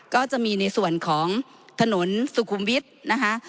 ก็จะมีในส่วนของถนนสุขุมวิทย์นะคะ